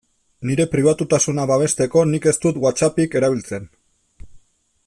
Nire pribatutasuna babesteko nik ez dut WhatsAppik erabiltzen.